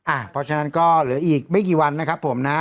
เพราะฉะนั้นก็เหลืออีกไม่กี่วันนะครับผมนะ